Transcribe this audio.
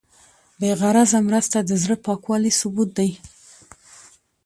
بېغرضه مرسته د زړه پاکوالي ثبوت دی.